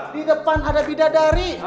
di depan ada bidadari